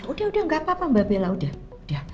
udah udah gak apa apa mbak bella udah